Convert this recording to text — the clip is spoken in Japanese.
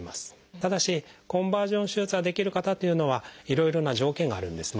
ただしコンバージョン手術ができる方というのはいろいろな条件があるんですね。